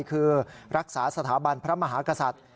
คือรักษาสถาบันพระมหากษัตริย์